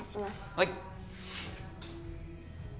はい。